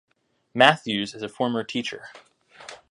Matthews is a former teacher.